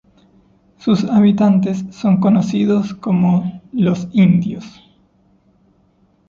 Sus habitantes son conocidos como 'los indios'.